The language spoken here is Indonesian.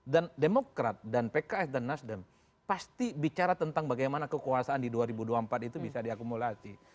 dan demokrat dan pks dan nasdem pasti bicara tentang bagaimana kekuasaan di dua ribu dua puluh empat itu bisa diakumulasi